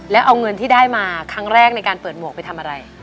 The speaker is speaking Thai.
แล้วเอาเงินที่ได้มาครั้งแรกในการเปิดหมวกไปทำอะไร